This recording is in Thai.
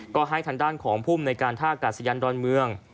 ก็ให้ทางด้านของภูมิในการท่ากาศยานดอนเมือง